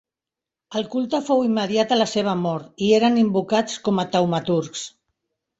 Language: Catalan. El culte fou immediat a la seva mort, i eren invocats com a taumaturgs.